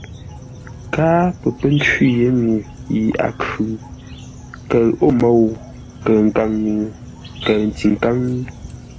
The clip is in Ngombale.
Káa pə́ cwî yé ŋuu yi a khʉ, kəʉ o môu, kəʉ nkaŋ-ŋuu, kəʉ ntikáŋ.